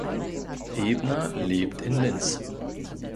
Ebner lebt in Linz.